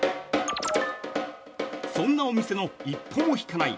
そんなお店の、一歩も引かない！